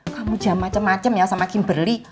kamu jam macem macem ya sama kimberly